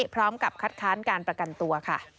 พร้อมกับคัดค้านการประกันตัวค่ะ